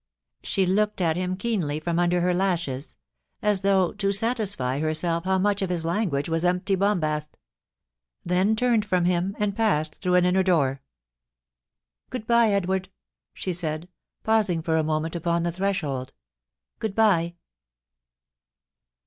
She looked at him keenly from under her lashes, as though to satisfy herself how much of his language was empty bombast ; then turned from him and passed through an inner door. * Good bye, Edward,' she said, pausing for a moment upon the threshold * Good bye.'